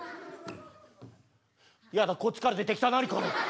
やだこっちから出てきた何これ。